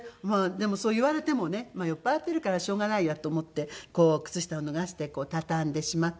でもそう言われてもねまあ酔っ払ってるからしょうがないやと思って靴下を脱がせて畳んでしまって。